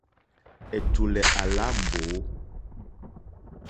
Ɛ̀tùlɛ̀ à lá mbǒ.